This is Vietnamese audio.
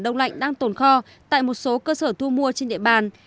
đông lạnh đang tồn kho tại một số cơ sở thu mua trên địa bàn